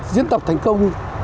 diễn tập thành công